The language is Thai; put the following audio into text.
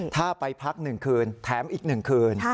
ถ้าไปพัก๑คืนแถมอีก๑คืน